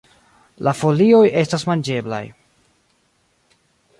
La folioj estas manĝeblaj.